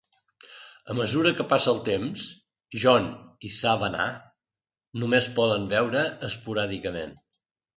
A mesura que passa el temps, John i Savannah només poden veure esporàdicament.